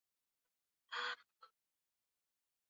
Je upi mtihani wa Rais Samia katika kukuza uchumi wa Tanzania